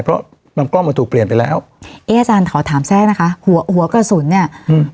เพราะนำกล้องมันถูกเปลี่ยนไปแล้วเอ๊ะอาจารย์ขอถามแทรกนะคะหัวหัวกระสุนเนี้ยอืม